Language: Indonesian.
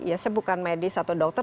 ya saya bukan medis atau dokter